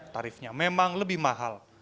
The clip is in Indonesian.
tarifnya memang lebih mahal